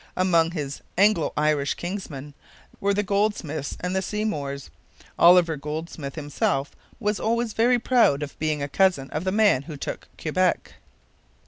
Among his Anglo Irish kinsmen were the Goldsmiths and the Seymours. Oliver Goldsmith himself was always very proud of being a cousin of the man who took Quebec.